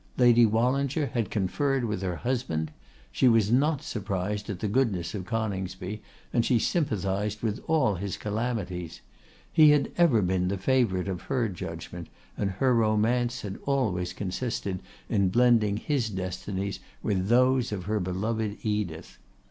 Lady Wallinger had conferred with her husband. She was not surprised at the goodness of Coningsby, and she sympathised with all his calamities. He had ever been the favourite of her judgment, and her romance had always consisted in blending his destinies with those of her beloved Edith.